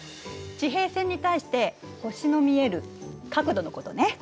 地平線に対して星の見える角度のことね。